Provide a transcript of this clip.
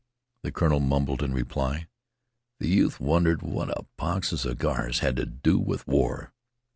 The colonel mumbled in reply. The youth wondered what a box of cigars had to do with war.